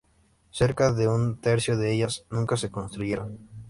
Cerca de un tercio de ellas nunca se construyeron.